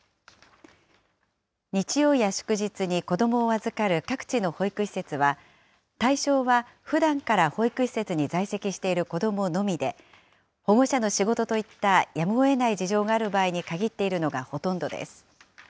日曜や祝日に子どもを預かる各地の保育施設は、対象はふだんから保育施設に在籍している子どものみで、保護者の仕事といったやむをえない事情がある場合に限っているのがほとんどです。